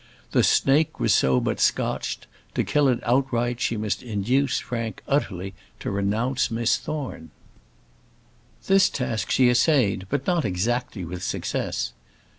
The snake was so but scotched; to kill it outright she must induce Frank utterly to renounce Miss Thorne. This task she essayed, but not exactly with success.